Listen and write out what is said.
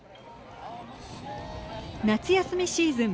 夏休みシーズン